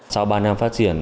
sau ba năm phát triển